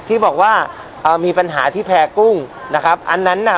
ที่บอกว่าอ่ามีปัญหาที่แพร่กุ้งนะครับอันนั้นน่ะ